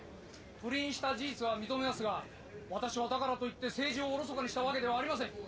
不倫した事実は認めますがわたしはだからといって政治をおろそかにしたわけではありません。